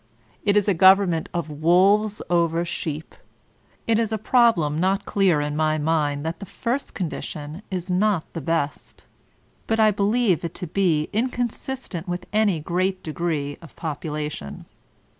It is a government of wolves over sheep. It is a problem not clear in my mind that the first condition is not the best But I believe it to be inconsistent with any great d^^ree of popubtion.